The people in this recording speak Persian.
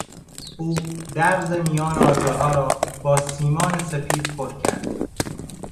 او درز میان آجرها را با سیمان سپید پر کرد.